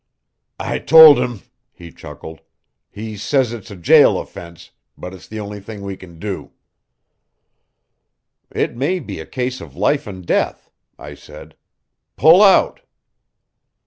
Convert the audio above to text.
"I told him," he chuckled. "He says it's a jail offense, but it's the only thing we can do." "It may be a case of life and death," I said. "Pull out."